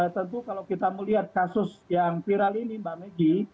tentu kalau kita melihat kasus yang viral ini mbak meggy